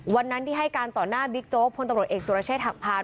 วันนั้นที่ให้การต่อหน้าบิ๊กโจ๊กพลตำรวจเอกสุรเชษฐหักพาน